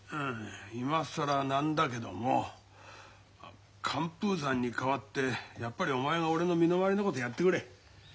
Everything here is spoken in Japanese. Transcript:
今更なんだけども寒風山に代わってやっぱりお前が俺の身の回りのことやってくれ。